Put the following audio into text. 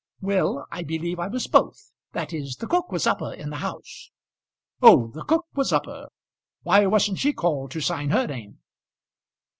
"Well, I believe I was both; that is, the cook was upper in the house." "Oh, the cook was upper. Why wasn't she called to sign her name?"